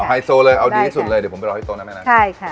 ไฮโซเลยเอาดีที่สุดเลยเดี๋ยวผมไปรอที่โต๊ะนั้นแม่นะใช่ค่ะ